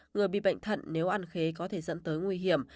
người bị bệnh thận nếu ăn khế có thể dẫn tới nguy hiểm